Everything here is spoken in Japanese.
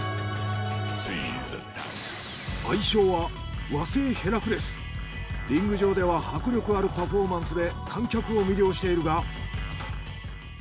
愛称はリング上では迫力あるパフォーマンスで観客を魅了しているが。